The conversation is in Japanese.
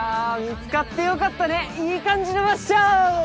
見つかってよかったねいい感じの場所